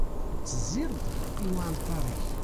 Ttezziɣ-d i uɛalṭar-ik.